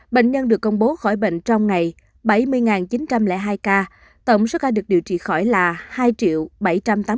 bệnh nhân được công bố khỏi bệnh trong ngày bảy mươi chín trăm linh hai ca tổng số ca được điều trị khỏi là hai bảy trăm tám mươi chín ba trăm bốn mươi hai ca